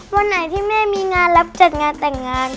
วันไหนที่แม่มีงานรับจัดงานแต่งงาน